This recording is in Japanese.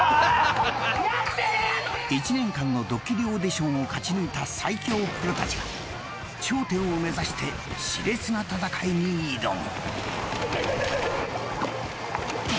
［１年間のドッキリオーディションを勝ち抜いた最強プロたちが頂点を目指して熾烈な戦いに挑む］